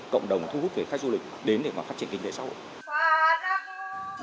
cộng đồng thu hút về khách du lịch đến để mà phát triển kinh tế xã hội